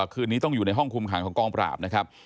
คืนนี้ต้องอยู่ในห้องคุมขังของกองปราบนะครับ